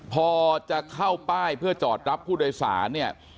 พอจะเข้าป้ายเพื่อจอดรับผู้โดยสารเนี่ย